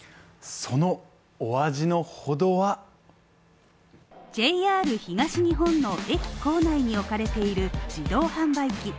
そのお味のほどはＪＲ東日本の駅構内に置かれている自動販売機。